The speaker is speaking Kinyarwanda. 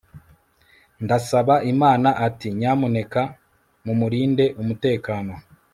ndasaba imana ati nyamuneka mumurinde umutekano